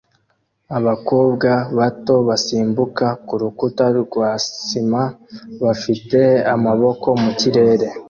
Abakobwa bato basimbuka kurukuta rwa sima bafite amaboko mukirere